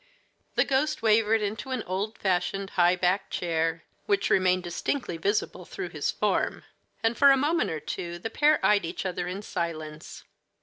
The ghost wavered into an old fashioned high backed chair, which remained distinctly visible through his form, and for a moment or two the pair eyed each other in silence.